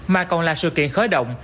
mà còn là sự kiện khởi động